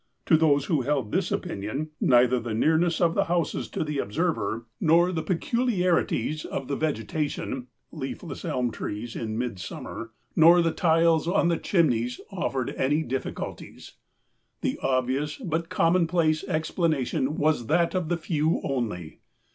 To those who held this opinion neither the nearness of the houses to the observer nor the 16+ POPULAR SCIENCE MONTHLY. peculiarities of the vegetation (leafless elm trees in midsummer) nor the tiles on the chimneys offered any difficulties. The obvious but commonplace explanation was that of the few only.